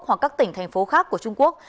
hoặc các tỉnh thành phố khác của trung quốc